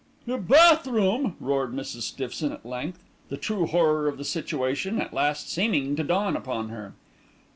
"Your bath room!" roared Mrs. Stiffson at length, the true horror of the situation at last seeming to dawn upon her.